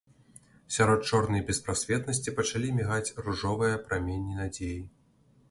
Сярод чорнай беспрасветнасці пачалі мігаць ружовыя праменні надзеі.